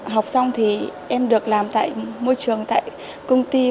học xong thì em được làm tại môi trường tại công ty